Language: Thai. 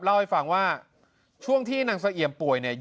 เล่าให้ฟังว่าช่วงที่นางสะเอี่ยมป่วยเนี่ย